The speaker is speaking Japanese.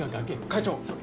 会長。